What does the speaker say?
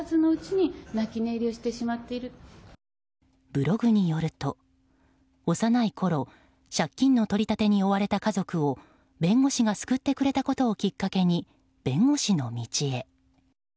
ブログによると、幼いころ借金の取り立てに追われた家族を弁護士が救ってくれたことをきっかけに弁護士の道へ。